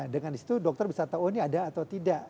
dengan itu dokter bisa tahu ini ada atau tidak